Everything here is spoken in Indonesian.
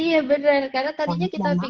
iya bener karena tadinya kita pikir